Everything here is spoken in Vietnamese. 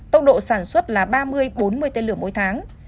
tốc độ sản xuất là ba mươi bốn mươi tên lửa mỗi tháng